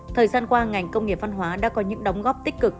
thời gian qua ngành công nghiệp văn hóa đã có những đóng góp tích cực